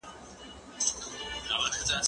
زه له سهاره د ښوونځی لپاره تياری کوم؟